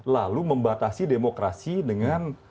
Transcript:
lalu membatasi demokrasi dengan